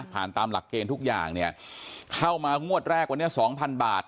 ตามหลักเกณฑ์ทุกอย่างเนี่ยเข้ามางวดแรกวันนี้สองพันบาท